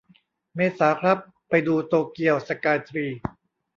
เมษาครับ ไปดูโตเกียวสกายทรี